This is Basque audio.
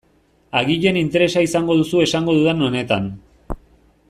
Agian interesa izango duzu esango dudan honetan.